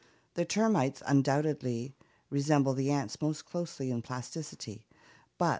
The termites undoubtedly resemble the ants most closely in plasticity, but